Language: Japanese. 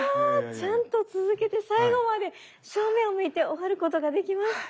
ちゃんと続けて最後まで正面を向いて終わることができました。